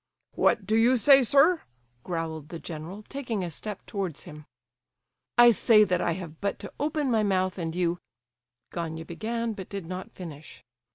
"What do you say, sir?" growled the general, taking a step towards him. "I say that I have but to open my mouth, and you—" Gania began, but did not finish.